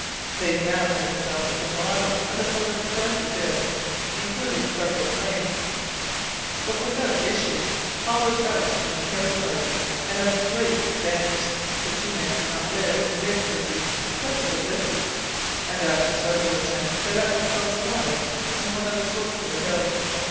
They found themselves at the bottom of a sort of dark abyss including several planes, but without issue, hollowed out from the hillside, and of great extent. The two men could not live in the midst of these successive abysses, and after several attempts they let themselves slide on one of the slopes of the hill.